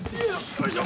よいしょ。